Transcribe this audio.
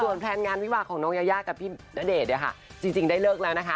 แพลนงานวิวาของน้องยายากับพี่ณเดชน์เนี่ยค่ะจริงได้เลิกแล้วนะคะ